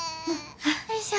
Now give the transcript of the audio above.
よいしょ